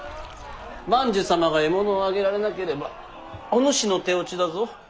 万寿様が獲物を挙げられなければおぬしの手落ちだぞ。